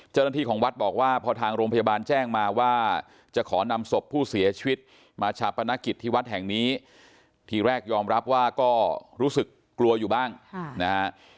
เจ้าหน้าที่ของวัดบอกว่าพอทางโรงพยาบาลแจ้งมาว่าจะขอนำศพผู้เสียชีวิตมาชาปนกิจที่วัดแห่งนี้ทีแรกยอมรับว่าก็รู้สึกกลัวอยู่บ้างนะฮะ